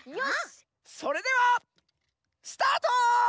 それではスタート！